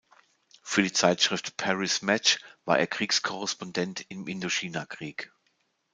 Für die Zeitschrift "Paris Match" war er Kriegskorrespondent im Indochinakrieg.